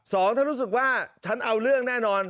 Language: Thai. สองถ้ารู้สึกว่าฉันเอาเรื่องแน่นอน